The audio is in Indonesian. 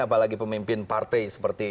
apalagi pemimpin partai seperti